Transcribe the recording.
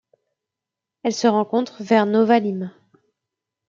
Elle se rencontre vers Nova Lima.